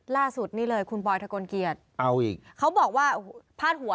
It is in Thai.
ร่าสุดนี่เลยคุณโบ๊ยกมล์โอ้ยเขาต่อมากว่าผ้าดหัว